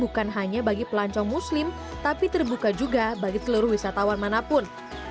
bukan hanya bagi pelancong muslim tapi terbuka juga bagi seluruh wisatawan manapun